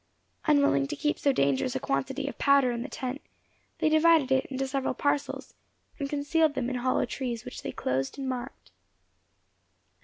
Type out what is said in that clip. Unwilling to keep so dangerous a quantity of powder in the tent, they divided it into several parcels, and concealed them in hollow trees, which they closed and marked.